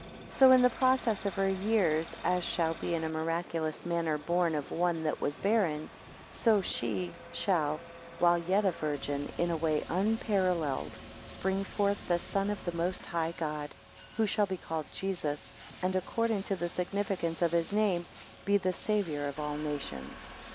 12 So in the process of her years, as she shall be in a miraculous manner born of one that was barren, so she shall, while yet a virgin, in a way unparalleled, bring forth the Son of the most High God, who shall, be called Jesus, and, according to the signification of his name, be the Saviour of all nations.